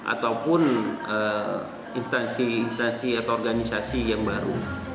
ataupun instansi instansi atau organisasi yang baru